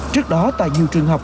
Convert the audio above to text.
trước đó tại nhiều trường học